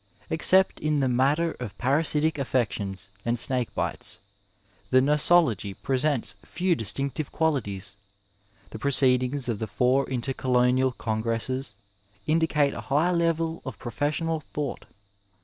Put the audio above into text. Except in the matter of parasitic afEections and snake bites, the nosology present^ few distinctive qualities. The proceedings of the four Intercolonial Congresses indicate a high level of pro fessional thought.